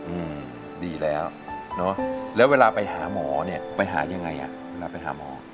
อืมดีแล้วเนอะแล้วเวลาไปหาหมอเนี่ยไปหายังไงอ่ะเวลาไปหาหมอ